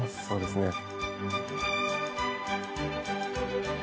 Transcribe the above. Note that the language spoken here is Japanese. そうですね。